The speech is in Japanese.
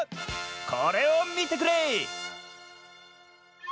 これをみてくれ！